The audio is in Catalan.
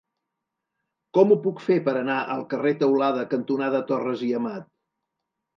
Com ho puc fer per anar al carrer Teulada cantonada Torres i Amat?